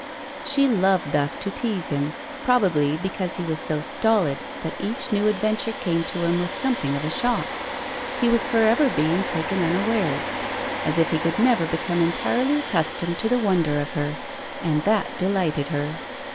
She loved thus to tease him, probably because he was so stolid that each new adventure came to him with something of a shock. He was forever being taken taiawares, as if he could never become entirely accustomed to the wonder of her, and that delighted her.